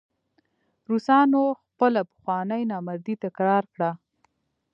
روسانو خپله پخوانۍ نامردي تکرار کړه.